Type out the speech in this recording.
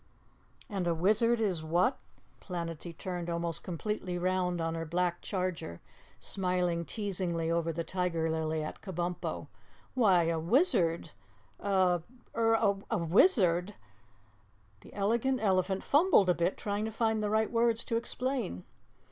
"And a wizard is what?" Planetty turned almost completely round on her black charger, smiling teasingly over the tiger lily at Kabumpo. "Why, a wizard er a wizard " The Elegant Elephant fumbled a bit trying to find the right words to explain.